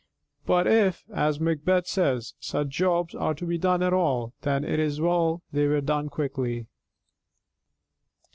But if, as Macbeth says, such jobs are to be done at all, then it is well they were done quickly.